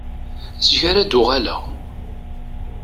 Zik ara d-uɣeleɣ.